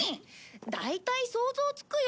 大体想像つくよ。